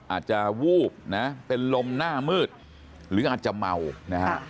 อาจจะวูบนะเป็นลมหน้ามืดหรืออาจจะเมานะฮะ